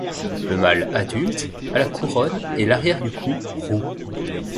Le mâle adulte a la couronne et l'arrière du cou roux.